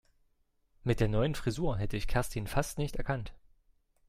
Mit der neuen Frisur hätte ich Kerstin fast nicht erkannt.